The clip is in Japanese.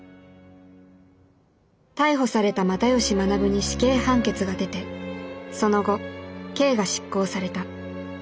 逮捕された又吉学に死刑判決が出てその後刑が執行された。